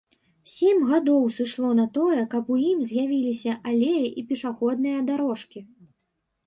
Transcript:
Сем гадоў сышло на тое, каб у ім з'явіліся алеі і пешаходныя дарожкі.